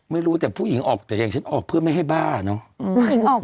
ไม่รู้แต่ผู้หญิงออกเทรนเนี้ยฉันออกเพื่อไม่ให้บ้าเนอะอืมหญิงออก